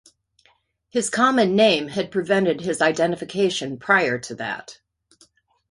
His common name had prevented his identification prior to that.